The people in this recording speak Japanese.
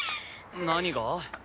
何が？